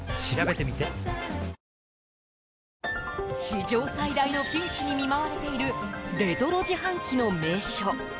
史上最大のピンチに見舞われているレトロ自販機の名所。